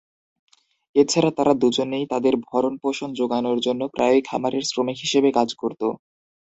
এছাড়া, তারা দুজনেই তাদের ভরণপোষণ জোগানোর জন্য প্রায়ই খামারের শ্রমিক হিসেবে কাজ করত।